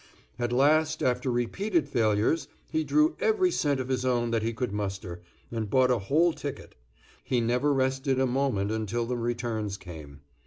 At last, after repeated failures, he drew every cent of his own that he could muster, and bought a whole ticket. He never rested a moment until the returns came.